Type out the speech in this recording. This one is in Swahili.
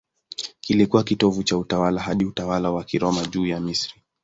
Kilikuwa kitovu cha utawala hadi utawala wa Kiroma juu ya Misri.